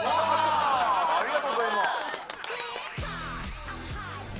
ありがとうございます。